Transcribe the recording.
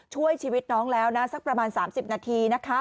ช่วยชีวิตน้องแล้วนะสักประมาณ๓๐นาทีนะคะ